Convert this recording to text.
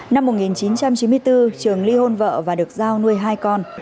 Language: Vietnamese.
năm một nghìn chín trăm chín mươi bốn trường ly hôn vợ và được giao nuôi hai con